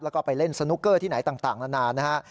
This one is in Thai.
แล้วก็ไปเล่นสนุกเกอร์ที่ไหนต่างนานานะฮะ